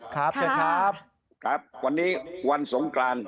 ครับเชิญครับครับวันนี้วันสงกราน